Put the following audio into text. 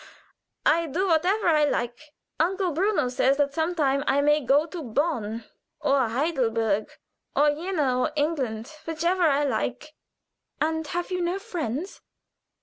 I do whatever I like. Uncle Bruno says that some time I shall go to Bonn, or Heidelberg, or Jena, or England, whichever I like." "And have you no friends?"